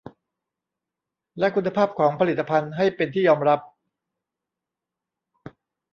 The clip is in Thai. และคุณภาพของผลิตภัณฑ์ให้เป็นที่ยอมรับ